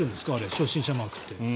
初心者マークって。